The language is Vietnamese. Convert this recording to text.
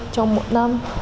trong một năm